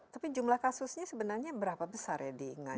tapi jumlah kasusnya sebenarnya berapa besar ya di inggris